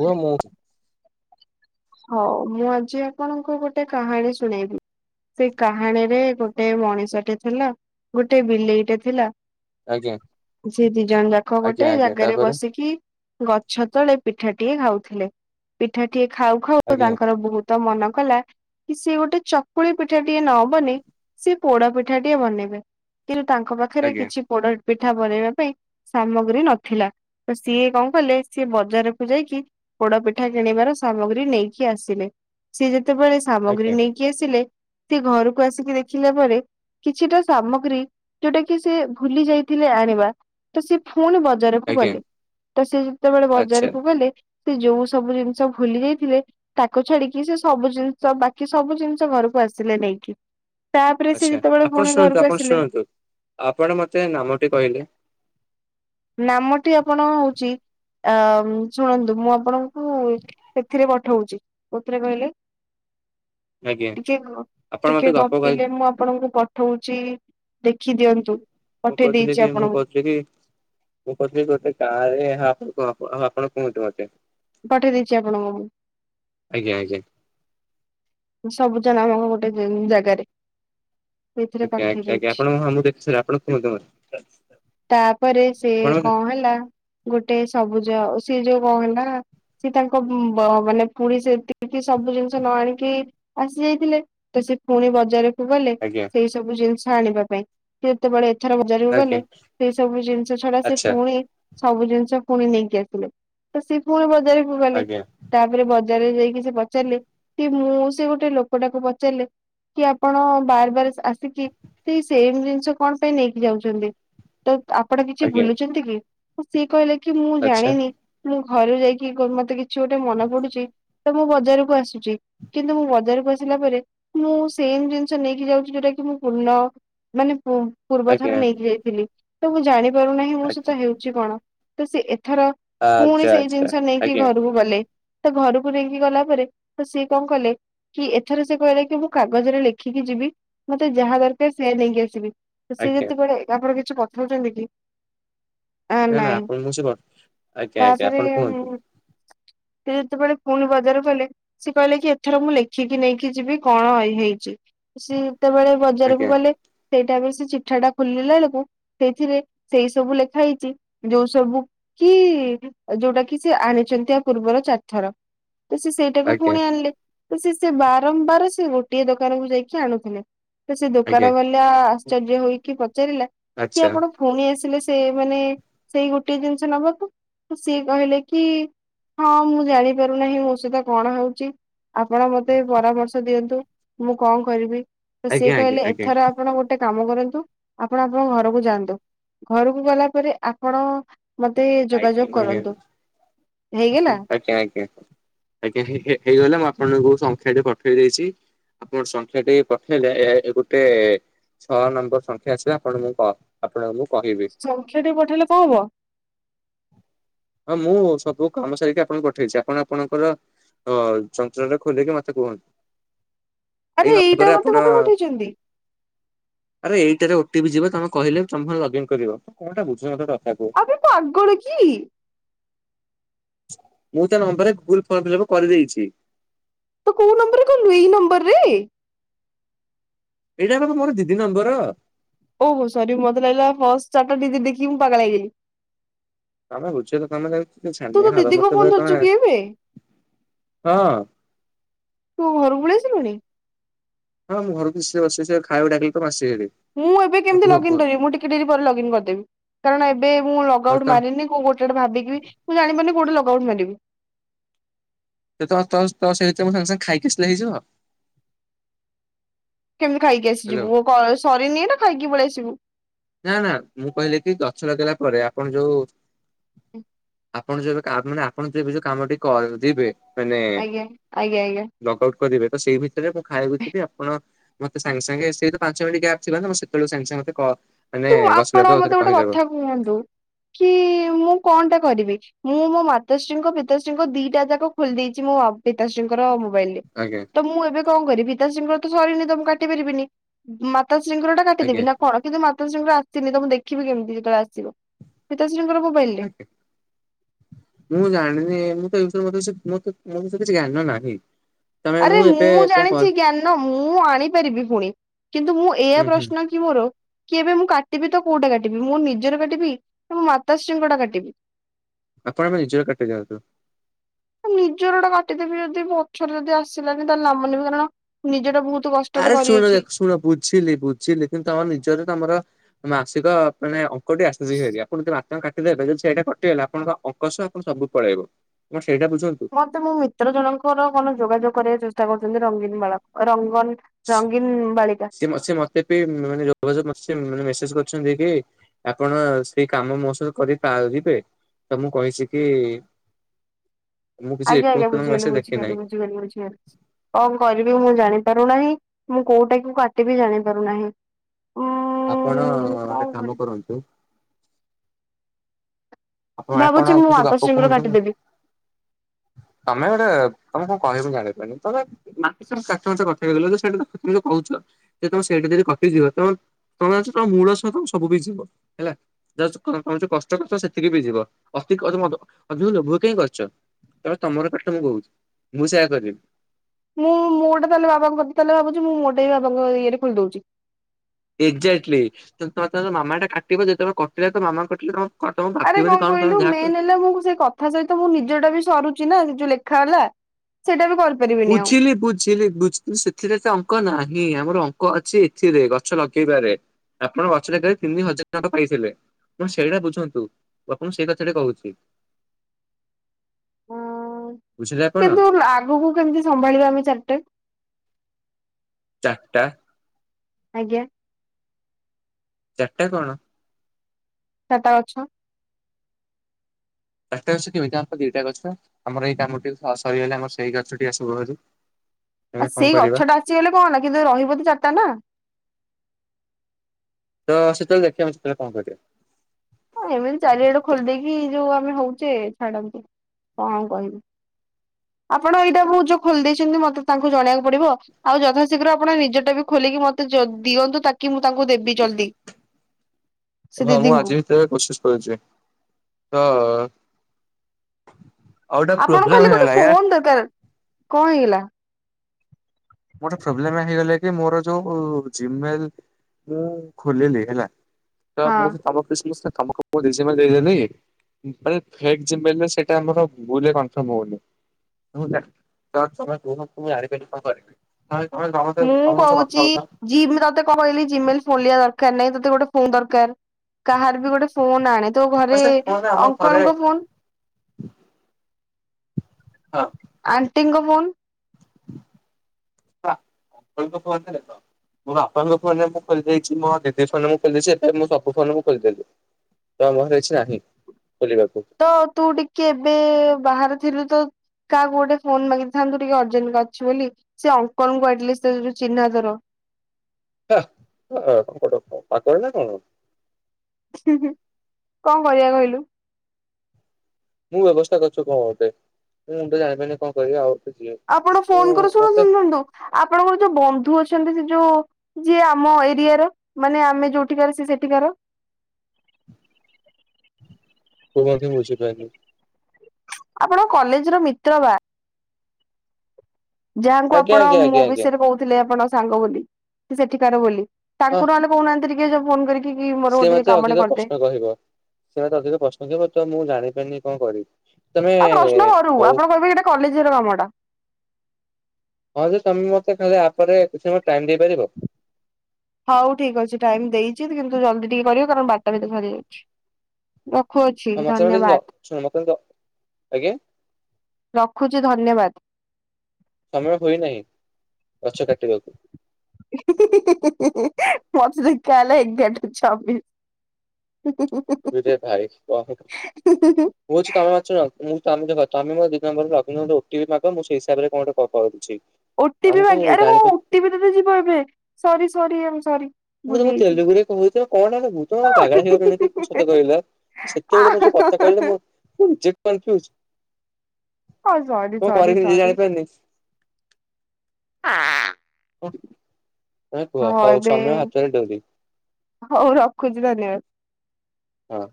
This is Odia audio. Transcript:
କୁହ ମୁଁ ହଉ ମୁଁ ଆଜି ଆପଣଙ୍କୁ ଗୋଟେ କାହାଣୀ ଶୁଣେଇବି। ସେ କାହାଣୀରେ ଗୋଟେ ମଣିଷଟେ ଥିଲା ଗୋଟେ ବିଲେଇଟେ ଥିଲା। ଆଜ୍ଞା ସେ ଦି ଜଣ ଯାକ ଆଜ୍ଞା ଗୋଟେ ଆଜ୍ଞା ଜାଗାରେ ତାପରେ ବସିକି। ଗଛ ତଳେ ପିଠାଟିଏ ଖାଉଥିଲେ ପିଠାଟିଏ ଖାଉ ଖାଉ ଆଜ୍ଞା ତାଙ୍କର ବହୁ ତ ମନ କଲା। କି ସିଏ ଗୋଟେ ଚକୁଳି ପିଠା ଟିଏ ନ ବନେଇ ସିଏ ପୋଡ ପିଠା ଟିଏ ବନେଇବେ। କିନ୍ତୁ ତାଙ୍କ ପାଖରେ ଆଜ୍ଞା କିଛି ପୋଡ ପିଠା ବନେଇବା ପାଇଁ ସାମଗ୍ରୀ ନଥିଲା। ତ ସିଏ କଣ କଲେ ସିଏ ବଜାରକୁ ଯାଇକି ପୋଡ ପିଠା କିଣିବାର ସାମଗ୍ରୀ ନେଇକି ଆସିଲେ ସିଏ ଯେତେବେଳେ ସାମଗ୍ରୀ ଆଜ୍ଞା ନେଇକି ଆସିଲେ। ସିଏ ଘରକୁ ଆସିକି ଦେଖିଲା ପରେ। କିଛିଟା ସାମଗ୍ରୀ ଯୋଉଟା କି ସେ ଭୁଲି ଯାଇଥିଲେ ଆଣିବା ତ ସେ ଫୁଣି ବ ବଜାରକୁ ଆଜ୍ଞା ଗଲେ ତ ସିଏ ଯେତେବେଳେ ଆଚ୍ଛା ବଜାରକୁ ଗଲେ ସିଏ ଯୋଉ ସବୁ ଜିନିଶ। ଭୁଲି ଯାଇଥିଲେ ତାକୁ ଛାଡିକି ସେ ସବୁ ଜିନିଷ ବାକି ସବୁ ଜିନିଷ ଘରକୁ ଆସିଲେ ନେଇକି। ତାପରେ ସେ ଆଚ୍ଛା ଯେତେବେଳେ ଆପଣ ପୁଣି ଶୁଣନ୍ତୁ ଘରକୁ ଆପଣ ଆସିଲେ। ଶୁଣନ୍ତୁ ଆପଣ ମତେ ନାମଟି କହିଲେ? ନାମଟି ଆପଣଙ୍କ ହଉଛି। ଆ ଉଁ ଶୁଣନ୍ତୁ ମୁଁ ଆପଣଙ୍କୁ ଏଥିରେ ପଠଉଛି। କଉଥିରେ କହିଲେ? ଆଜ୍ଞା ଟିକେ ଗ ଆପଣ ମତେ ଟିକେ ଗପ କହି ଗପିଲେ ମୁଁ ଆପଣଙ୍କୁ ପଠଉଛି। ଦେଖି ଦିଅନ୍ତୁ ପଠେଇ ଦେଇଛି ଆପଣଙ୍କୁ। କ୍ଷୀରି। ମୁଁ କହୁଥିଲି ଗୋଟେ ଗାଁ ରେ ହାଁ ଆପଣ କୁହ ଆପ ହଁ ଆପଣ କୁହନ୍ତୁ ମତେ। ପଠେଇ ଦେଇଛି ଆପଣଙ୍କୁ ମୁଁ। ଆଜ୍ଞା ଆଜ୍ଞା। ସବୁ [unintelligible] ଗୋଟେ ଜ ଜାଗାରେ। ଏଥିରେ ଆଜ୍ଞା ପଠେଇ ଆଜ୍ଞା ଆଜ୍ଞା ଦେଇଛି। ଆପଣ ହଁ ମୁଁ ଦେଖିସାରେ ଆପଣ କୁହନ୍ତୁ ମତେ। ତାପରେ ସେ ଆପଣ ମତେ କଣ ହେଲା ଗୋଟେ ସବୁଜ ସେ ଯୋଉ କଣ ହେଲା। ସିଏ ତାଙ୍କ ଉଁ ବ ମାନେ ପୁରୀ ସେତିକି ସବୁ ଜିନିଷ ନ ଆଣିକି। ଆସି ଯାଇଥିଲେ ତ ସେ ପୁଣି ବଜାରକୁ ଗଲେ ଆଜ୍ଞା ସେଇ ସବୁ ଜିନିଷ ଆଣିବା ପାଇଁ। ଯେତେବେଳେ ଏଥର ବଜାରକୁ ଆଜ୍ଞା ଗଲେ ସେଇ ସବୁ ଜିନିଷ ଛଡା ସେ ଆଚ୍ଛା ପୁଣି। ସବୁ ଜିନିଷ ପୁଣି ନେଇକି ଆସିଲେ ତ ସିଏ ପୁଣି ବଜାରକୁ ଗଲେ ଆଜ୍ଞା ତା ତାପରେ ବଜାରରେ ଯାଇକି ସେ ପଚାରିଲେ କି ମୁଁ ସେ ଗୋଟେ ଲୋକଟାକୁ ପଚାରିଲେ। କି ଆପଣ ବାର ବାର ଆସ ଆସିକି ସେଇ ସେମ ଜିନିଷ କଣ ପାଇଁ ନେଇକି ଯାଉଛନ୍ତି? ତ ଆପଣ କିଛି ଆଜ୍ଞା ଭୁଲୁଛନ୍ତି କି? ତ ସିଏ କହିଲା କି ମୁଁ ଆଚ୍ଛା ଜାଣିନି। ମୁଁ ଘରୁ ଯାଇକି କ ମତେ କିଛି ଗୋଟେ ମନ ପଡୁଛି ତ ମୁଁ ବଜାରକୁ ଆସୁଚି। କିନ୍ତୁ ମୁଁ ବଜାରକୁ ଆସିଲା ପରେ ମୁଁ ସେମ ଜିନିଷ ନେଇକି ଯାଉଛି ଯୋଉଟା କି ମୁଁ ପୂର୍ଣ୍ଣ। ମାନେ ପୁ ପୂର୍ବ ଆଜ୍ଞା ଥର ନେଇକି ଯାଇଥିଲି ତ ମୁଁ ଜାଣିପାରୁ ନାହିଁ ମୋ ସହିତ ହେଉଛି କଣ ତ ସେ ଏଥର। ପୁଣି ଆଚ୍ଛା ସେଇ ଆଚ୍ଛା ଜିନିଷ ନେଇକି ଆଜ୍ଞା ଘରକୁ ଗଲେ, ତ ଘରକୁ ନେଇକି ଗଲା ପରେ ତ ସେ କଣ କଲେ କି ଏଥର ସେ କହିଲା କି, ମୁଁ କାଗଜରେ ଲେଖିକି ଯିବି, ମତେ ଯାହା ଦରକାର ସେୟା ନେଇକି ଆସିବି। ସିଏ ଆଜ୍ଞା ଯେତେବେଳେ ଆପଣ କିଛି ପଚାରୁଚନ୍ତି କି? ଆ ନା ନା ନାଇଁ ଆପଣ ମୁ ସେ କ ଆଜ୍ଞା ଆଜ୍ଞା ତାପରେ ଆପଣ କୁହନ୍ତୁ। ସେ ଯେତେବେଳେ ପୁଣି ବଜାର ଗଲେ ସେ କହିଲେ କି ଏଥର ମୁଁ ଲେଖିକି ନେଇକି ଯିବି କଣ ହେଇଛି ସି ଯେତେବେଳେ ବଜାରକୁ ଆଜ୍ଞା ଗଲେ। ସେଇଟା ବି ସେ ଚିଠା ଟା ଖୋଲିଲା ଏଳକୁ ସେଇଥିରେ ସେଇ ସବୁ ଲେଖା ହେଇଛି ଯୋଉ ସବୁ କି ଯୋଉଟା କି ସେ ଆଣିଛନ୍ତି ଆ ପୂର୍ବର ଚାରିଥର ତ ସେ ସେଇଟା ଆଜ୍ଞା ପୁଣି ଆଣିଲେ ତ ସେ ସେ ବାରମ୍ବାର ସେ ଗୋଟିଏ ଦୋକାନକୁୁ ଯାଇକି ଆଣୁଥିଲେ। ସେ ଆଜ୍ଞା ଦୋକାନ ବାଲା ଆଶ୍ଚର୍ଯ୍ୟ ହେଇକି ପଚାରିଲା କି ଆଚ୍ଛା ଆପଣ ପୁଣି ଆସିଲେ ସେ ମାନେ ସେଇ ଗୋଟେ ଜିନିଷ ନବାକୁ ସିଏ କହିଲେ କି ହଁ ମୁଁ ଜାଣିପାରୁନାହିଁ ମୋ ସହିତ କଣ ହଉ କି ଆପଣ ମତେ ପରାମର୍ଶ ଦିଅନ୍ତୁ ମୁଁ କଣ କରିବି? ତ ସିଏ ଆଜ୍ଞା ଆଜ୍ଞା କହିଲେ ଆଜ୍ଞା। ଏଥର ଆପଣ ଗୋ ଗୋଟେ କାମ କରନ୍ତୁ ଆପଣ ଆପଣଙ୍କ ଘରକୁ ଯାଆନ୍ତୁ ଘରକୁ ଗଲା ପରେ ଆପଣ ମତେ। ଆ ଯୋଗାଯୋଗ କରନ୍ତୁ [unintelligible] ଆଜ୍ଞା ହେଇଗଲା ଆଜ୍ଞା। ଆଜ୍ଞା ହେ ହେଇଗଲା ମୁଁ ଆପଣଙ୍କୁ ସଂଖ୍ୟା ଟି ପଠେଇ ଦେଇଚି। ଆପଣ ସଂଖ୍ୟା ଟି ପଠେଇଲେ ଏ ଆଇ ଗୋଟେ ଛଅ ନମ୍ବର ସଂଖ୍ୟା ଆସିଲେ ଆପଣଙ୍କୁ ଆପଣଙ୍କୁ କହିବି। ସଂଖ୍ୟାଟି ପଠେଇଲେ କଣ ହବ? ହଁ ମୁଁ ସବୁ କାମ ସାରିକି ଆପଣଙ୍କୁ ପଠେଇଛି ଆପଣ ଆପଣଙ୍କର ଓ ଯନ୍ତ୍ର ଟା ଖୋଲିକି ମତେ କୁହନ୍ତୁ। ଆରେ ଏଇ ଏଇଟା ନମ୍ବରରେ ମତେ କଣ ଆପଣ ପାଇଁ ପଠେଇଛନ୍ତି ଆରେ ଏଇଟାରେ ଓ ଟିି ପି ଯିବ, ତମେ କହିଲେ ତମେ ଲଗଇନ କରିବ, କଣଟା ବୁଝୁନ ଗୋଟେ କଥା କୁ। ଏ ପାଗଳ କି? ମୁଁ ତା ନମ୍ବରରେ ଗୁଗୁଲ ଫର୍ମ ଫିଲପ କରିଦେଇଚି। ତୁ କୋଉ ନମ୍ବରରେ କଲୁ ଏଇ ନମ୍ବର ରେ। ଏଇଟା ପା ପା ମୋର ଦିଦି ନମ୍ବର। ଓହୋ ହୋ ସରି ମତେ ଲାଗିଲା ଫଷ୍ଟ ଚାରିଟା ଡିଜିଟ ଦେଖିକି ମୁଁ ପାଗଳା ହେଇଗଲି। ତମେ ବୁଝୁନ ତମେ ଖାଲୀ ତ ତୁ ତୋ ଛାନିଆ ହେଲ ଦିଦିଙ୍କ ମତେ ଫୋନ ପୁରା ଧରିଛୁ ତମେ, କି ଏବେ ହଁ। ତୁ ଘରକୁ ପଳେଇ ଆସିଲୁଣୀ? ହଁ ମୁଁ ଘର [unintelligible] ବସିଛି ସେ ଖାଇବାକୁ ଡାକିଲେ ତ ମୁ ଆସିଚି ହେରି। ମୁଁ ଏବେ କେମିତି କୁହ ଲଗ ଇନ କୁହ କରିବି ମୁଁ ଟିକେ ଡେରି ପରେ ଲଗ ଇନ କରିଦେବି, କାରଣ ଏବେ ମୁଁ ଲଗ ହଁ ଆଉଟ ତ ମାରିନି। କଉ ଗୋଟେ ଟେ ଭାବିକି ମୁ ଯାଣିି ପାରୁନି କୋଉଠେ ଲଗ ଆଉଟ ମାରିବି। ତ ତ ସେ ଭିତରେ ମୁଁ ସାଙ୍ଗେ ସାଙ୍ଗେ ଖାଇକି ଆସିଲେ ହେଇଯିବ? କେମିତି ଖାଇକି ହ୍ୟାଲୋ ଆସିଯିବୁ, ସରିନି ନା ଖାଇକି ପଳେଇ ଆସିବୁ। ନା ନା ମୁଁ କହିଲି କି ଗଛ ଲଗେଇଲା ପରେ ଆପଣ ଯୋଉ ହଁ ଆପଣ ଯୋଉ ଏବେ କା ମାନେ ଆପଣ ଯୋଉ ଏବେ ଯୋଉ କାମ ଟି କ ଯିବେ ଆଜ୍ଞା ଆଜ୍ଞା ଆଜ୍ଞା ଲଗ ଆଉଟ୍ କରିବେ, ତ ସେଇ ଭିତରେ ମୁଁ ଖାଇବାକୁ ଯିବି ଆପଣ ମତେ ସାଙ୍ଗେ ସାଙ୍ଗେ ସେଇ ତ ପାଞ୍ଚ ମିନିଟ ଗ୍ୟାପ ଥିବ ନା ତ ମୁଁ ସେତେବେଳୁ ସାଙ୍ଗ ସାଙ୍ଗେ ମତେ କଲ୍ ମାନେ ତୁ ଆପଣ ବସିଲା ଠୁ ମତେ ସେଇଟେ ଗୋଟେ କହିଦେବ। କଥା କୁହନ୍ତୁ କି ମୁଁ କଣ ଟା କରିବି? ମୁଁ ମୋ ମାତାଶ୍ରୀଙ୍କ, ପିତାଶ୍ରୀଙ୍କ ଦିଟା ଯାକ ଖୋଲି ଦେଇେଛି ମୋ ପିତାଶ୍ରୀଙ୍କର ମୋବାଇଲ। ଆଜ୍ଞା ତ ମୁଁ ଏବେ କଣ କରିବି? ପିତା ଶ୍ରୀଙ୍କର ତ ସରିନି ତମ ମୁଁ କାଟି ପାରିବିନି, ମାତା ଶ୍ରୀଙ୍କର ଟା କାଟିଦେବି ଆଜ୍ଞା ନା କଣ? କିନ୍ତୁ ମାତାଶ୍ରୀଙ୍କର ଆସିନି, ତ ମୁଁ ଦେଖିବି କେମିତି ଯେତେବେଳେ ଆସିବ ପିତାଶ୍ରୀଙ୍କର ମୋବାଇଲ ରେ ଆଜ୍ଞା। ମୁଁ ଜଣଣି ମୁଁ ତ ମଁ ମଁ କିଛି [unintelligible] ତମେ ଆରେ ଏବେ ମୁଁ କଣ କର ଜାଣିଛି ଜ୍ଞାନ ମୁଁ ଆଣିପାରିବି। ପୁଣି କିନ୍ତୁ ମୁଁ ଏ ହୁଁ ହୁଁ ପ୍ରଶ୍ନ କି କି ମୋର କି ଏବେ ମୁଁ କାଟିବି, ତ କୋଉଟା କାଟିବି ମୁଁ ନିଜର କାଟିବି ନା ମୋ ମାତାଶ୍ରୀଙ୍କ ଟା କାଟିବି। ଆପଣ ମେ ନିଜର କାଟି ଯଆନ୍ତୁ। ନିଜର ଗୋଟା କାଟିଦେବି, ଯଦି ପଛରେ ଯଦି ଆସିଲାନି ତାଲେ ନାମନି କାରଣ ନିଜଟା ବହୁତ କ ଆରେ ଶୁଣ ଦେଖ ଶୁଣ ବୁଝିଲି ବୁଝିଲି କିନ୍ତୁ ତମର ନିଜର ତମର ମାସିକ ମାନେ ଅଙ୍କଟି ଆସଛି ସେରିଆ ଆପଣ ଯଦି ମା କାଟିଦବେ ଯଦି ସେଇଟା କଟିଗଲେ, ଆପଣଙ୍କ ଅଙ୍କଶ ଆପଣ ସବୁ ପଳେଇବ ଆପଣ ସେଇଟା ବୁଝନ୍ତୁ। ମତେ ମୋ ମିତ୍ର ଜଣଙ୍କର କଣ ଯୋଗାଯୋଗ କରିବାକୁ ଚେଷ୍ଟା କରୁଛନ୍ତି। ରଙ୍ଗୀନ ବାଳାକୁ ରଙ୍ଗନ ରଙ୍ଗୀନ ବାଳିକା। ମ ମତେ ବି ମାନେ ଯୋଗାଯୋଗ ମେସେଜ କରୁଛନ୍ତି କି ଆପଣ ସେଇ କାମ ମୋ ସବ କରିପାରିବେ? ତ ମୁଁ କହିଛି କି [inaudible] କିଛି ଆଜ୍ଞା ଆଜ୍ଞା। ରେସ୍ପନ୍ସ ବୁଝିଗଲି, ମେସେଜ ଦେଖି ବୁଝିଗଲି, ନାହିଁ ବୁଝିଗଲି। କଣ କରିବି ମୁଁ ଜାଣିପାରୁନାହିଁ। ମୁଁ କୋଉଟା କ କାଟିବି ଜାଣିପାରୁନାହିଁ। ଆପଣଟେ କାମ କରିବି କରନ୍ତୁ ଆପ ଆପଣ ଭାବୁଛି ଆଉ ମୁଁ କିଛି ଗପ ମାତାଶ୍ରୀଙ୍କର କୁହନ୍ତୁନ କାଟିଦେବି। ତମେ ଗୋଟେ ତମେ କଣ କହିବୁ ଜାଣିପାରନି ତ [unintelligible] କଥା ହେଇଗଲା ତ ସେ କହୁଛ ଯେ ତମେ ସେଇଟା ଯଦି କଟି ଯିବ, ତମ ତମେ ଜଛ ତମ ମୂଳ ସହିତ ସବୁ ବି ଯିବ ହେଲା। ତମେ ଯୋଉ କଷ୍ଟ କର ସେତିକି ବି ଯିବ ଅତି ଲୋଭ କେହିଁ କରିଛ? ତ ତମର [unintelligible] ମୁଁ ସେୟା କରିବି ମୁଁ ଗୋଟେ ତାହେଲେ ବାବା କ ତାହଲେ ଭାବୁଛି ମୁ ମୋଟା ବି ବାବାଙ୍କ ଇଏରେ ଖୋଲି ଦଉଛି ଏକ୍ଜାକ୍ଟଲି ତ ମାମା ଟା କାଟିବ ଯେତେବେଳେ, କଟିଲେ ତ ମାମା କିଲେ ତ ଆରେ କଣ କହିଲୁ ମେନ୍ ହେଲେ ମୁଁ କ ସେଇ କଥା କଥା ସହିତ ମୁଁ ନିଜଟା ବି ସରୁଛି ନା ସେ ଯୋଉ ଲେଖା ହେଲା ସେଟା ବି କର ବୁଝିଲି, ବୁଝିଲି, ବୁଝଛୁ ସେ ଏଥିରେ ତ ଅଙ୍କ ନାହିଁ ଆମର ଅଙ୍କ ଅଛି ଏଥିରେ ଗଛ ଲଗେଇବାରେ। ଆପଣ ଗଛ ଜାଗାରେ ତିନି ହଜାର ଟଙ୍କା ପାଇଥିଲେ ହଣ ସେଇଟା ବୁଝନ୍ତୁ। ମୁ ଆପଣ ସେଇ କଥାଟେ କହୁଛି ଉଁ ବୁଝିଲେ ଆପଣ କିନ୍ତୁ ଆଗକୁ କେମିତି ସମ୍ଭାଳିବା ଆମେ ଚାରିଟା ଚାରଟା? ଆଜ୍ଞା। ଚରିଟା କଣ [inaudible] ସେଟା ଅଛ [inaudible] ଚାରିଟା ଗଛ କେମିତି? ଆମର ଦିଟା ଗଛ। ଆମର ଏଇ କାମ ସରିଗଲେ ଆମ ସେଇ ଗଛ ଟିକ ଆସବ ହେରି [unintelligible] ଆଉ ସେଇ ଗଛ ଟା ଆସିଗଲେ କଣ କିନ୍ତୁ ରହିବ ଚାରଟା ନା। ତ ସେତେଳେ ଦେଖିବା ମ ସେତେବେଳେ କଣ କର ହଁ ଏମିତି ଚାରିଆଡେ ଖୋଲିଦେଇକି ଯୋଉ ଆମେ ହଉଛେ ଛାଡ କଣ କହିବୁ। ଆପଣ ଏଇଟା ବହୁତ ଯୋଉ ଖୋଲି ଦେଇଛନ୍ତି ମତେ ତାଙ୍କୁ ଜଣେଇକୁ ପଡିବ। ଆଉ ଯଥାଶୀଘ୍ର ଆପଣ ନିଜଟା ବି ଖୋଲିକି ମତେ ଦିଅନ୍ତୁ ତାକି ମୁଁ ତାଙ୍କୁ ଦେବି ଜଲ୍ଦି। ସେ ହଁ ମୁଁ ଦିଦିଙ୍କୁ ଆଜି ଭିତରେ କଶିସ କରୁଛି ତ ଆଉ ଗୋଟେ ଆପଣଙ୍କୁ ପ୍ରୋବ୍ଲେମ ଖାଲି ଗୋଟେ ହେଇଗଲା ୟାର। ଫୋନ ଦରକାର କଣ ହେଇଗଲା। ମୋଟେ ପ୍ରୋବ୍ଲେ ହେଇଗଲେ କି ମୋର ଯୋଉ ଜ ମୁଁ ଖୋଲିଲି ହେଲା ତ ହଁ। ମୁଁ ସେ ତମ ତମ ମୁଁ ଦେଇଦେଲିେ ସେଟା ଆମରମ ହଉନି ହୁଁ ତ ତମେ କୁହ ତୁ ହାରପାରି କଣ କରିବି [inaudible] [unintelligible] ମୁଁ ସହ କଥା କହୁଚି ହଉଥାଅ ଯିମ୍ ତତେ କଣ କହିଲି ଜିମେଲ ଖୋଲିବା ଦରକାର ନାଇଁ ତତେ ଗୋଟେ ଫୋନ ଦରକାର କାହାର ବି ଗୋଟେ ଫୋନ ଆଣେ। ତୋ ହଁ ଘରେ ସେ ଫୋନ୍ ଆମ ଘରେ ଅଙ୍କଲଙ୍କ ଫୋନ ହଁ। ଆଣ୍ଟିଙ୍କ ଫୋନ। ଅଙ୍କଲ ଙ୍କ ଫୋନ ରେ ଦେଖ [unintelligible] ମୋ ବାପାଙ୍କ ଫୋନରେ ମୁଁ ଖୋଲି ଦେଇେଛି ମୋ ଦିଦି ଫୋନରେ ମୁଁ ଖୋଲିଦେଇଛି ଏବେ ମୁଁ ସବୁ ଫୋନ ମୁଁ ଖୋଲିଦେଲି। ତ ମୋହର କିଛି ନାହିଁ ଖୋଲିବାକୁ। ତ ତୁ ଟିକେ ଏବେ ବାହାରେ ଥିଲୁ ତ କାହାକୁ ଗୋଟେ ଫୋନ୍ ମାଗିଥାନ୍ତୁ ଟିକେ ଅର୍ଜେଣ୍ଟ ଅଛି ବୋଲି ସେ ଅଙ୍କଲ ଙ୍କ ଆଟଲିଷ୍ଟ ସେ ଚିହ୍ନା ତୋର। କଣ [unintelligible] କ ପାଗଳ ନା କଣ। କଣ କରିବା କହିଲୁ। ମୁଁ ବ୍ୟବସ୍ଥା କରୁଛି କଣ ଗୋଟେ ମୁଁ ତ ଜାଣିପାରୁନି କଣ କରିବା ଆଉ। ଯିଏ ଆପଣ ମୁଁ ଫୋନ କର ଶୁଣ ମତେ ଶୁନ୍ତୁ ଆପଣଙ୍କର ଯୋଉ ବନ୍ଧୁ ଅଛନ୍ତି ସେ ଯୋଉ। ଯିଏ ଆମ ଏରିଆ ର ମାନେ ଆମେ ଯୋଉଠିକାର ସେ ସେଠିକାର। [inaudible] ଆପଣଙ୍କ କଲେଜ ର ମିତ୍ର ବା। ଯାହାଙ୍କୁ ଆଜ୍ଞା ଆପଣ ଆଜ୍ଞା ମୋ ଆଜ୍ଞା ଆଜ୍ଞା ବିଷୟରେ କହୁଥିଲେ ଆପଣଙ୍କ ସାଙ୍ଗ ବୋଲି ସେଠିକାର ବୋଲି। ହଁ ତାଙ୍କୁ ନହେଲେ କହୁନାହାନ୍ତି ଟିକେ ଫୋନ କରିକି। କି ମୋର ସିଏ ଗୋଟେ ମତେ କାମଟେ ଅଧିକ କରିଦେ। ପ୍ରଶ୍ନ କହିବ ସିଏ ମତେ ଅଧିକ ପ୍ରଶ୍ନ କହିବ ତ ମୁଁ ଜାଣିପାରିନି କଣ କରିବି। ତମେ ଆ ପ୍ରଶ୍ନ କରୁ ହଉ ଆପଣ କହିବେ କି ଏଟା କଲେଜର କାମ ଏଟା। ହଁ ଯେ ତମେ ମତେ କାଲି ଆପରେ କିଛି ସମୟ ଟାଇମ ଦେଇପାରିବ। ହଉ ଠିକ୍ ଅଛି ଟାଇମ ଦେଇଛି କିନ୍ତୁ ଜଲ୍ଦି ଟିକେ କରିବ କାରଣ ବାରଟା ଭିତରେ ସରି ଯାଉଛି। ରଖୁଛି ହଁ ମତେ ମତେ ଧନ୍ୟବାଦ। ଶୁଣ ମତେ ଆଜ୍ଞା ରଖୁଛି ଧନ୍ୟବାଦ। ସମୟ ହୋଇନାହିଁ ଗଛ କାଟିବାକୁ। ମତେ ଦେଖା ଗଲା ଏଗର ଟା ଛବି ହୁଁ ହୁଁ। ଇରେ ଭାଇ କଣ କରୁଛୁ [unintelligible] ମୁଁ ତମେ ଦେଖ ତମେ ମୋ ଦି ନମ୍ବର ଲଗନ ଓଟିିପି ମାଗ ମୁଁ ସେଇି ହିସାବରେ କଣ ଗୋଟେ କରୁଛି [unintelligible] ଓଟି ପି ଆମକୁ ମାଗି ଆରେ ହଁ ଜାଣିପା ଓଟି ପି ତ ଯିବ ଏବେ ସରି ସରି ଆଇ ମ୍ ସରୀ। ମୁଁ ତେଲଗୁରେ କହୁ ତ କଣ ଅଣିବୁ ପାଗଳା ହେଇଗଲିଣି କି ସତ କହିଲା ସେତେବେଳୁ କହୁଚି ମୋତେ କହିଲୁ ନୁ ମୁଁ ନିଜେ [unintelligible] କନଫିଉଜ୍ ହଁ ସରି କଣ ସରି କରିବି ନିଜେ ସରି ଜାଣି ପାରୁନି। ହଉ କୁହ ହଁ ହଉ ଏବେ ସମୟ ହାତରେ ଡୋରି। ହଉ ରଖୁଛି ଧନ୍ୟବାଦ୍। ହଁ।